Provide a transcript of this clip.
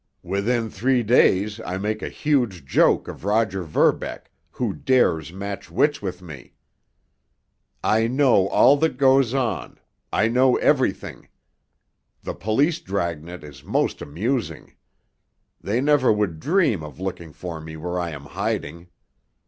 Within three days I make a huge joke of Roger Verbeck, who dares match wits with me! I know all that goes on—I know everything! The police dragnet is most amusing. They never would dream of looking for me where I am hiding!